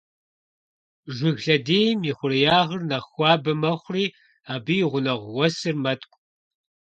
Жыг лъэдийм и хъуреягъыр нэхъ хуабэ мэхъури абы и гъунэгъу уэсыр мэткӀу.